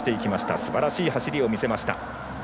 すばらしい走りを見せました。